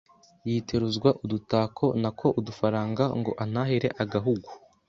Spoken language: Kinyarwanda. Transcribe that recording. Yiteruzwa udutako Nako udufaranga Ngo antahire agahugu